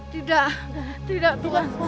tidak tidak tuan